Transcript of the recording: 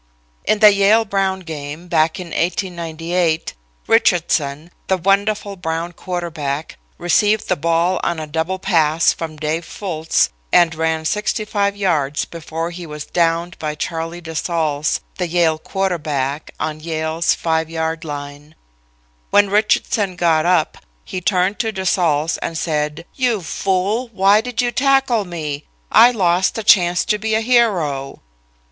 In the Yale Brown game, back in 1898, Richardson, that wonderful Brown quarterback, received the ball on a double pass from Dave Fultz and ran 65 yards before he was downed by Charlie de Saulles, the Yale quarterback, on Yale's 5 yard line. When Richardson got up, he turned to de Saulles and said: "You fool, why did you tackle me? I lost a chance to be a hero."